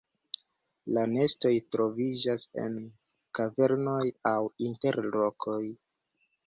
La nestoj troviĝas en kavernoj aŭ inter rokoj.